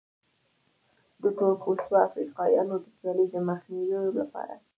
د تور پوستو افریقایانو د سیالۍ د مخنیوي لپاره.